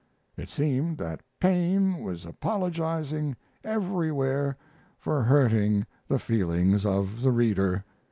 It seemed that Paine was apologizing everywhere for hurting the feelings of the reader."